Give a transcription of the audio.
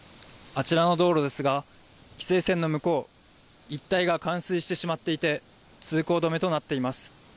あちらの道路ですが規制線の向こう一帯が冠水してしまっていて通行止めとなっています。